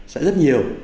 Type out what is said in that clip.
sẽ rất nhiều